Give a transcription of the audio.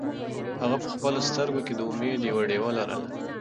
هغه په خپلو سترګو کې د امید یوه ډېوه لرله.